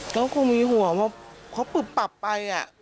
เขาก็มีห่วงว่าเขาปุ๊บปับไป